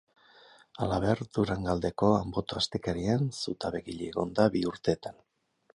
Halaber, Durangaldeko Anboto astekarian zutabegile egon da bi urtetan.